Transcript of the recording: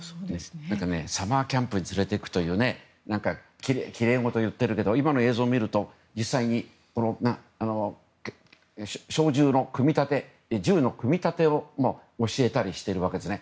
サマーキャンプに連れていくというきれいごとを言っているけど今の映像を見ると実際に銃の組み立てを教えたりしているわけですね。